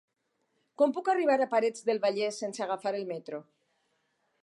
Com puc arribar a Parets del Vallès sense agafar el metro?